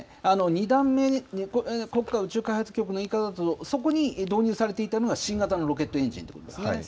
２段目、国家宇宙開発局の言い方だと、そこに導入されていたのが新型のロケットエンジンということですね。